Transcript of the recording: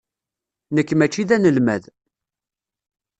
Nekk mačči d anelmad.